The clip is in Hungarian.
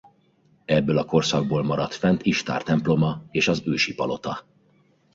Ebből a korszakból maradt fenn Istár temploma és az Ősi Palota.